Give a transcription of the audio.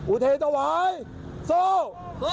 อุเทรนธวายสู้